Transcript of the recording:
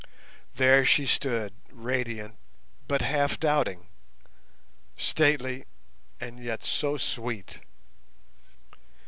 There she stood radiant but half doubting, stately and yet so sweet.